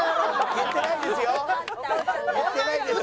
言ってないです。